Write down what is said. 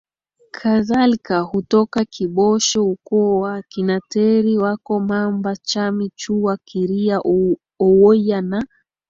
kadhalika hutoka KiboshoUkoo wa akina Teri wako Mamba Chami Chuwa Kiria Owoya na